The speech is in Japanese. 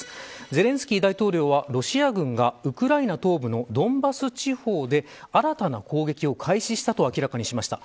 ゼレンスキー大統領はロシア軍がウクライナ東部のドンバス地方で新たな攻撃を開始したと明らかにしました。